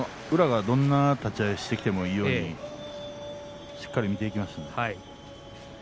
宇良がどんな立ち合いをしてきてもいいようにしっかり見ていきましたね。